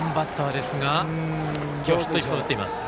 今日ヒットを１本打っています。